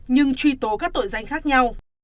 nhưng truy tố các tội danh khác nhau